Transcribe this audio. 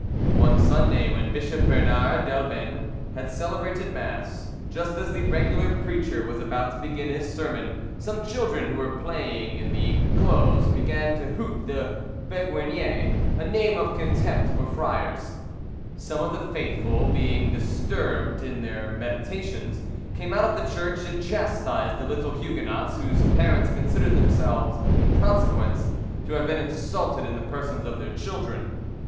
One Sunday, when Bishop Bernard d'Elbene had celebrated mass, just as the regular preacher was about to begin his sermon, some children who were playing in the close began to hoot the 'beguinier' [a name of contempt for friars]. Some of the faithful being disturbed in their meditations, came out of the church and chastised the little Huguenots, whose parents considered themselves in consequence to have been insulted in the persons of their children.